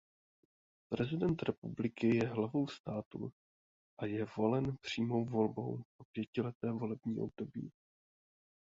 Prezident republiky je hlavou státu a je volen přímou volbou na pětileté volební období.